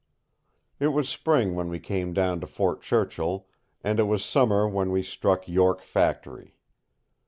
III It was spring when we came down to Fort Churchill, and it was summer when we struck York Factory.